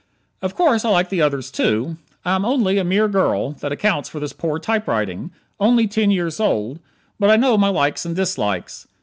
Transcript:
Of course, I like the others too. I am only a mere girl (that accounts for this poor typewriting) only ten years old but I know my likes and dislikes.